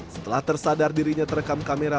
setelah tersadar dirinya terekam kamera